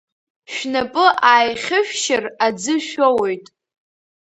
Шәнапы ааихьышәшьыр, аӡы шәоуоит!